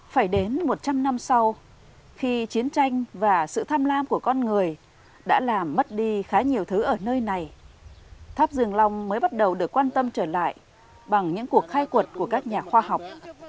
phải đến một trăm linh năm sau khi chiến tranh và sự tham lam của con người đã làm mất đi khá nhiều thứ ở nơi này tháp dương long mới bắt đầu được quan tâm trở lại bằng những cuộc khai quật của các nhà khoa học